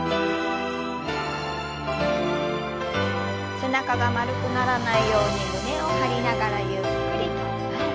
背中が丸くならないように胸を張りながらゆっくりと前。